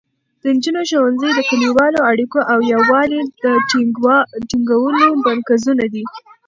د نجونو ښوونځي د کلیوالو اړیکو او یووالي د ټینګولو مرکزونه دي.